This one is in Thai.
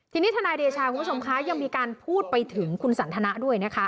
ทีนี้ทนายเดชาคุณผู้ชมคะยังมีการพูดไปถึงคุณสันทนาด้วยนะคะ